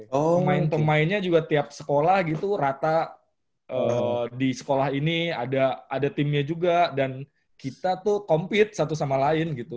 oh main pemainnya juga tiap sekolah gitu rata di sekolah ini ada timnya juga dan kita tuh compete satu sama lain gitu